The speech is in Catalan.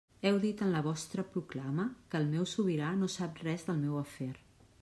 Heu dit en la vostra proclama que el meu sobirà no sap res del meu afer.